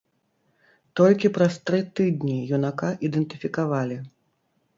Толькі праз тры тыдні юнака ідэнтыфікавалі.